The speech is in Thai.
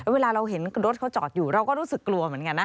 เวลาเราเห็นรถเขาจอดอยู่เราก็รู้สึกกลัวเหมือนกันนะ